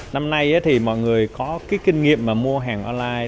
năm nay thì mọi người có cái kinh nghiệm mà mua hàng online